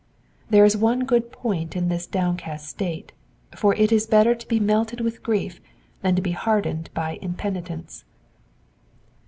There is one good point in this downcast state, for it is better to be melted with grief than to be hardened by impenitence.